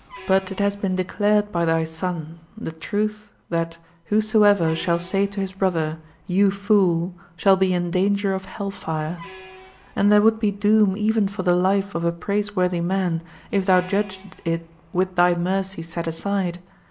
But it has been declared by thy Son, the Truth, that "whosoever shall say to his brother, You fool, shall be in danger of hell fire." And there would be doom even for the life of a praiseworthy man if thou judgedst it with thy mercy set aside.